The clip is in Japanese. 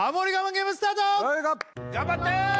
ゲームスタート頑張って！